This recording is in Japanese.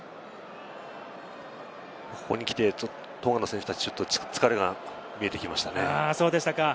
ここに来てトンガの選手たち、ちょっと疲れが見えてきましたね。